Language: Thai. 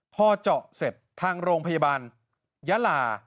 พอเจาะเสร็จทางโรงพยาบาลยาลา